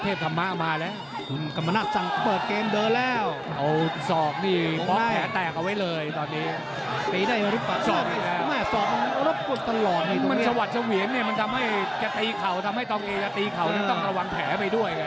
ปีได้หรือเปล่าซอกนี่แหละมันสวัสดิ์จะเหวียนเนี่ยมันทำให้จะตีเข่าทำให้ตองเอจะตีเข่านี่ต้องระวังแผลไปด้วย